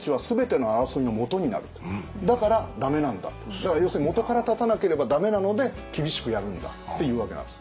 だから要するに元から断たなければダメなので厳しくやるんだっていうわけなんです。